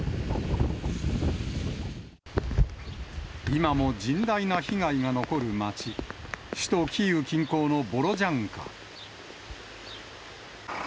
今も甚大な被害が残る町、首都キーウ近郊のボロジャンカ。